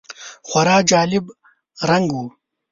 خورا جالب رنګ و .